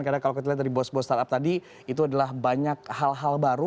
karena kalau kita lihat dari bos bos startup tadi itu adalah banyak hal hal baru